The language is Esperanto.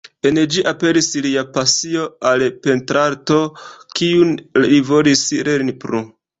En ĝi aperis lia pasio al pentrarto, kiun li volis lerni plu.